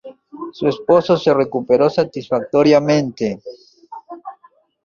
Su esposo se recuperó satisfactoriamente.